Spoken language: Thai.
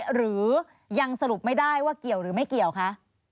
หรือยังสรุปไม่ได้ว่าเกี่ยวหรือไม่เกี่ยวคะ